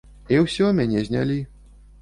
І ўсё, мяне знялі.